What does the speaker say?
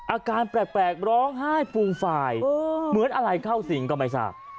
อาการแปลกร้องไห้ฟูมฟายเหมือนอะไรเข้าสิ่งก็ไม่ทราบ